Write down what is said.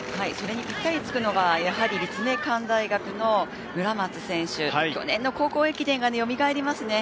ぴったりつくのはやはり立命館大学の村松選手、去年の高校駅伝がよみがえりますね。